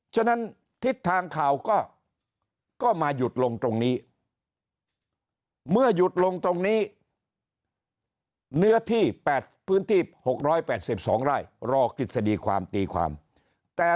ฉะนั้นทิศทางข่าวก็มาหยุดลงตรงนี้เมื่อหยุดลงตรงนี้เนื้อที่๘พื้นที่๖๘๒ไร่รอกฤษฎีความตีความแต่